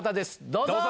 どうぞ。